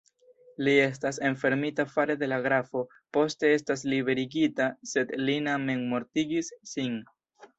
Li estas enfermita fare de la grafo, poste estas liberigita, sed Lina memmortigis sin.